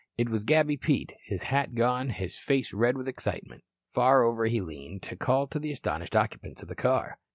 It was Gabby Pete, his hat gone, his face red with excitement. Far over he leaned to call to the astonished occupants of the car.